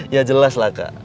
ya jelas lah kak